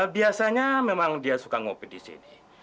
biasanya memang dia suka ngopi di sini